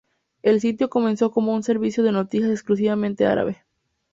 El sitio comenzó como un servicio de noticias exclusivamente árabe.